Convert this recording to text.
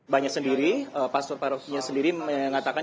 banyak sendiri pastor parokinya sendiri mengatakan